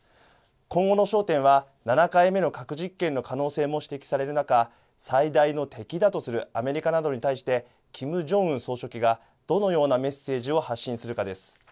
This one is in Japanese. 今後の焦点は７回目の核実験の可能性も指摘される中、最大の敵だとするアメリカなどに対してキム・ジョンウン総書記がどのようなメッセージを発信するかです。